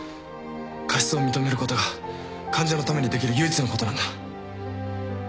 過失を認めることが患者のためにできる唯一のことなんだ。